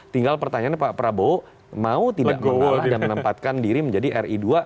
tinggal pertanyaannya pak prabowo mau tidak mengolah dan menempatkan diri menjadi ri dua